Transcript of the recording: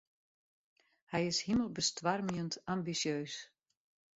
Hy is himelbestoarmjend ambisjeus.